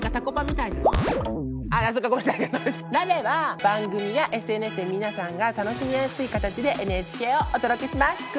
「ＮＡＢＥ」は番組やＳＮＳで皆さんが楽しみやすい形でＮＨＫをお届けします。